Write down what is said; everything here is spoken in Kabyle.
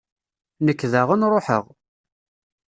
Nekk daɣen ṛuḥeɣ.